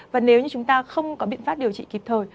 và nếu như chúng ta không có biện pháp điều trị kịp thời